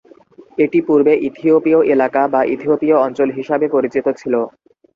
এটি পূর্বে ইথিওপিয় এলাকা বা ইথিওপীয় অঞ্চল হিসাবে পরিচিত ছিল।